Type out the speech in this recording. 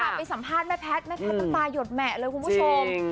ไปสัมภาษณ์แม่แพทย์แม่แพทย์น้ำตาหยดแหมะเลยคุณผู้ชม